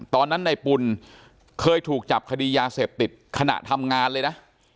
ตอนนั้นในปุ่นเคยถูกจับคดียาเสพติดขณะทำงานเลยนะ